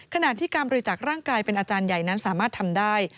ขณะที่การบริจักษ์ร่างกายเป็นอาจารย์ใหญ่นั้นสามารถทำได้